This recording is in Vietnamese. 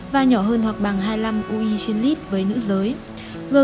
và nhỏ hơn hoặc bằng hai mươi năm ue trên lít với nữ giới